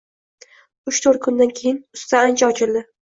uch-toʻrt kundan keyin usta ancha ochildi.